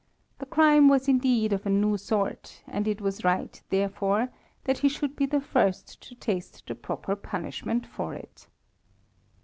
The crime was indeed of a new sort, and it was right, therefore, that he should be the first to taste the proper punishment for it.